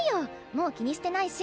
もう気にしてないし。